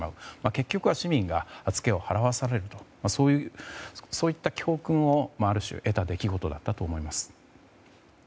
結局は市民がつけを払わされるとそういった教訓をある種得た出来事だったと思います。